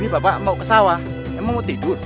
bapak mau ke sawah emang mau tidur